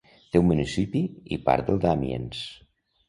Té un municipi i part del d'Amiens.